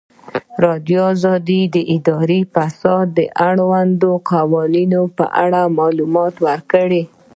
ازادي راډیو د اداري فساد د اړونده قوانینو په اړه معلومات ورکړي.